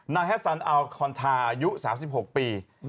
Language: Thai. แฮสซันอัลคอนทาอายุ๓๖ปี